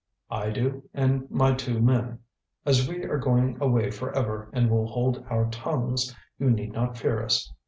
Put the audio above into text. "I do and my two men. As we are going away for ever and will hold our tongues, you need not fear us.